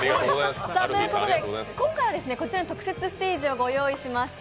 今回は、こちらに特設ステージをご用意しました。